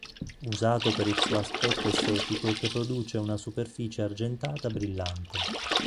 Usato per il suo aspetto estetico che produce una superficie argentata brillante.